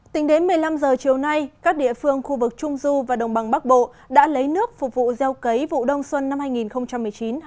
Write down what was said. tính đến một mươi năm h chiều nay các địa phương khu vực trung du và đồng bằng bắc bộ đã lấy nước phục vụ gieo cấy vụ đông xuân năm hai nghìn một mươi chín hai nghìn hai mươi